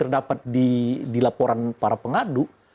di laporan para pengadu